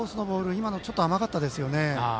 今のもちょっと甘かったですよね。